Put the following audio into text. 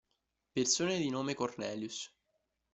Persone di nome Cornelius